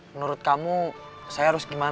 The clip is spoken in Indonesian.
menurut kamu saya harus gimana